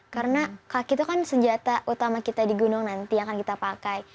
karena kaki itu kan senjata utama kita di gunung nanti yang akan kita pakai